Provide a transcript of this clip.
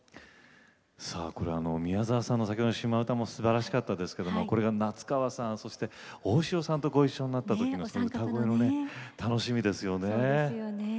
さあこれ宮沢さんの先ほどの「島唄」もすばらしかったですけどもこれが夏川さんそして大城さんとご一緒になったときの歌声楽しみですよね。